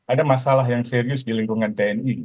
ada masalah yang serius di lingkungan tni